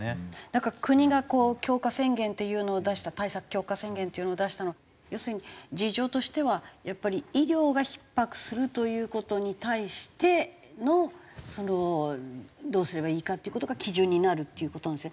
なんか国がこう強化宣言っていうのを出した対策強化宣言っていうのを出したのは要するに事情としてはやっぱり医療がひっ迫するという事に対してのどうすればいいかっていう事が基準になるっていう事なんですね。